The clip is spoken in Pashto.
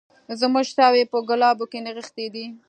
زموږ ساوي په ګلابو کي نغښتي دي